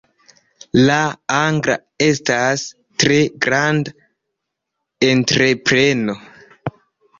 La angla estas tre granda entrepreno.